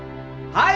はい！